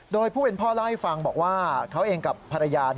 โดยผู้เป็นพ่อเล่าให้ฟังบอกว่าเขาเองกับภรรยา